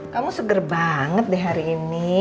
kamu seger banget deh hari ini